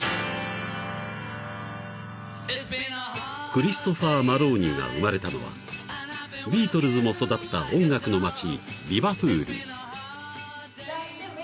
［クリストファー・マローニーが生まれたのはビートルズも育った音楽の町リヴァプール］